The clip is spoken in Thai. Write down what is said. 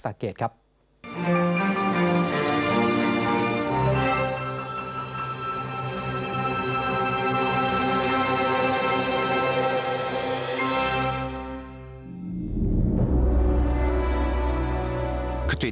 พระบรมศาลีริกษาธนบรมบันพฤษภูเขาทองวัดสะเกด